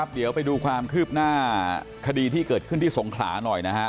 เดี๋ยวไปดูความคืบหน้าคดีที่เกิดขึ้นที่สงขลาหน่อยนะฮะ